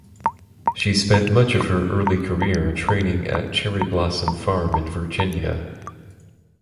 She spent much of her early career training at Cherry Blossom Farm in Virginia.